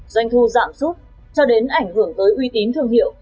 doanh thu giảm súp cho đến ảnh hưởng tới uy tín thương hiệu